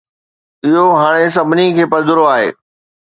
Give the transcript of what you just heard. اهو هاڻي سڀني کي پڌرو آهي.